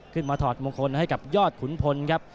ถอดมงคลให้กับยอดขุนพลครับ